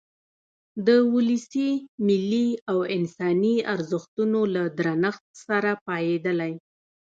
د ولسي، ملي او انساني ارزښتونو له درنښت سره پاېدلی.